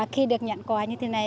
khi được nhận quà như thế này